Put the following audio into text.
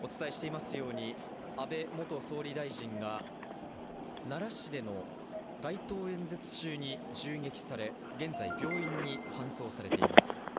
お伝えしていますように、安倍元総理大臣が奈良市での街頭演説中に銃撃され、現在病院に搬送されています。